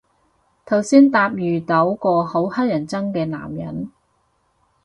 頭先搭遇到個好乞人憎嘅男人